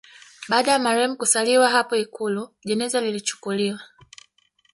Baada ya marehemu kusaliwa hapo Ikulu jeneza lilichukuliwa